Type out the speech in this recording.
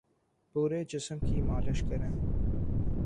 پورے جسم کی مالش کریں